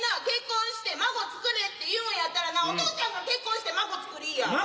「結婚して孫つくれ」って言うんやったらなお父ちゃんが結婚して孫つくりぃや。